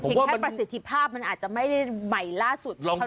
แค่ประสิทธิภาพมันอาจจะไม่ได้ใหม่ล่าสุดเท่าไ